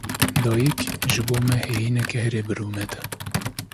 Dayîk, ji bo me heyîneke herî birûmet e.